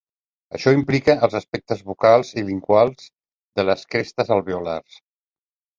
Això implica els aspectes bucal i lingual de les crestes alveolars.